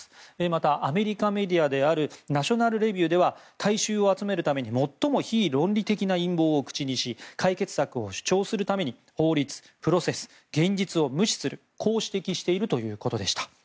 またアメリカメディアのナショナルレビューでは大衆を集めるために最も非論理的な陰謀を口にし解決策を主張するために法律、プロセス現実を無視するこう指摘しているということでした。